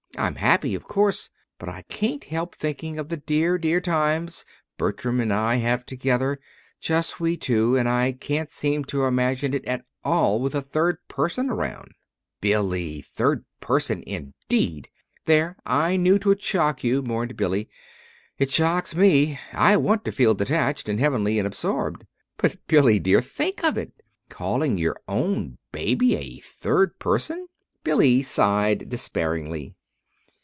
I'm happy, of course; but I can't help thinking of the dear, dear times Bertram and I have together, just we two, and I can't seem to imagine it at all with a third person around." "Billy! Third person, indeed!" "There! I knew 'twould shock you," mourned Billy. "It shocks me. I want to feel detached and heavenly and absorbed." "But Billy, dear, think of it calling your own baby a third person!" Billy sighed despairingly.